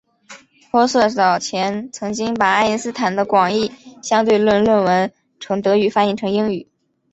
玻色早前曾经把爱因斯坦的广义相对论论文从德语翻译成英语。